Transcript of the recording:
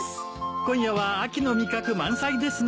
今夜は秋の味覚満載ですね。